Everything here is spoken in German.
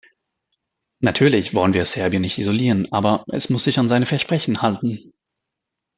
Natürlich wollen wir Serbien nicht isolieren, aber es muss sich an seine Versprechen halten.